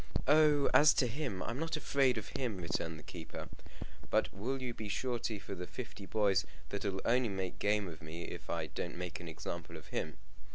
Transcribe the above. "Oh, as to him, I'm not afraid of him," returned the keeper; "but will you be surety for the fifty boys that'll only make game of me if I don't make an example of him?